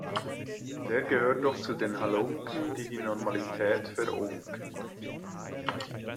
Der gehört doch zu den Halunken, die die Normalität verunken!